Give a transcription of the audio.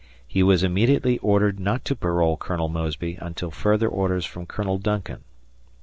He was immediately ordered not to parole Col. Mosby until further orders from Col. Duncan.